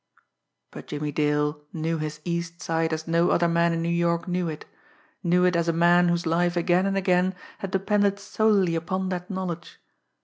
But Jimmie Dale knew his East Side as no other man in New York knew it; knew it as a man whose life again and again had depended solely upon that knowledge.